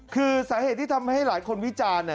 คือสาเหตุที่ทำให้หลายคนวิจารณ์